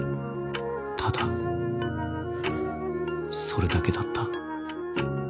ただそれだけだった。